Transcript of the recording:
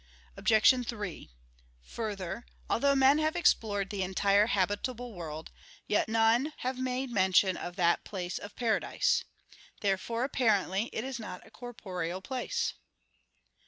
Obj. 3: Further, although men have explored the entire habitable world, yet none have made mention of the place of paradise. Therefore apparently it is not a corporeal place.